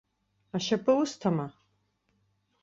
Ашьапы усҭама?